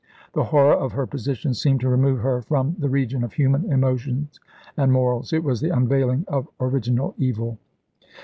The horror of her position seemed to remove her from the region of human emotions and morals. It was the unveiling of original evil.